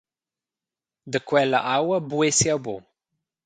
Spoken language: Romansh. Da quella aua buess jeu buc.